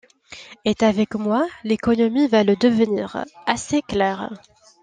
Et avec moi, l’économie va le devenir… assez claire !